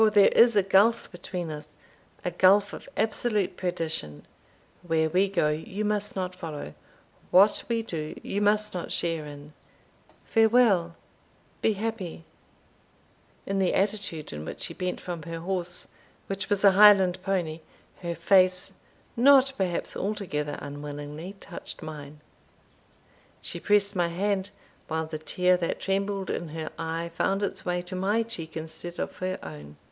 there is a gulf between us a gulf of absolute perdition; where we go, you must not follow what we do, you must not share in Farewell be happy!" [Illustration: Parting of Die and Frank on the Moor 242] In the attitude in which she bent from her horse, which was a Highland pony, her face, not perhaps altogether unwillingly, touched mine. She pressed my hand, while the tear that trembled in her eye found its way to my cheek instead of her own.